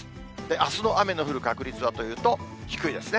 あすの雨の降る確率はというと、低いですね。